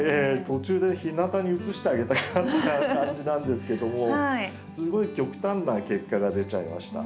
途中で日なたに移してあげたくなった感じなんですけどもすごい極端な結果が出ちゃいました。